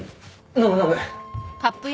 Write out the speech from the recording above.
飲む飲む。